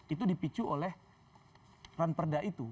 itu dipicu oleh ran perda itu